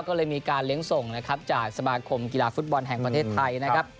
ก็เลยมีการเลี้ยงส่งนะครับจากสมาคมกีฬาฟุตบอลแห่งประเทศไทยนะครับ